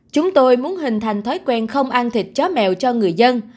chúng tôi muốn hình thành thói quen không ăn thịt chó mèo cho người dân